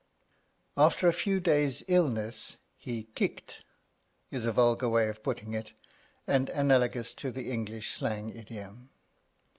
After a few days' illness he kicked, is a vulgar way of putting it and analogous to the English slang idiom.